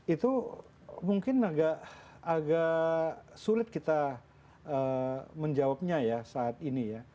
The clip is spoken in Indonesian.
itu mungkin agak sulit kita menjawabnya ya saat ini ya